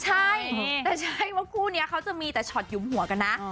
ใช่แต่ใช่ว่าคู่นี้เขาจะมีแต่ช็อตหยุมหัวกันนะ